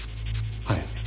はい。